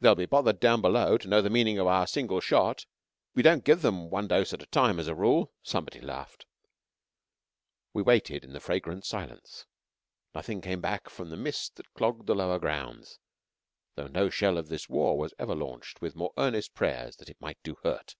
"They'll be bothered down below to know the meaning of our single shot. We don't give them one dose at a time as a rule," somebody laughed. We waited in the fragrant silence. Nothing came back from the mist that clogged the lower grounds, though no shell of this war was ever launched with more earnest prayers that it might do hurt.